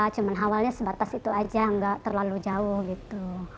cuma awalnya sebatas itu aja nggak terlalu jauh gitu